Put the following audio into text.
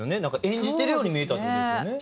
演じてるように見えたって事ですよね？